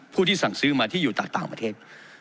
ที่สั่งซื้อมาที่อยู่ต่างประเทศ